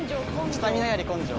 スタミナより根性。